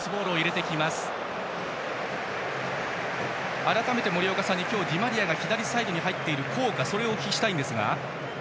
改めて、森岡さん今日はディマリアが左サイドに入っている効果それをお聞きしたいんですが。